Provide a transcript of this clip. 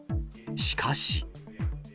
しかし。